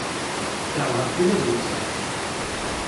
Keṛheɣ-t ula d netta.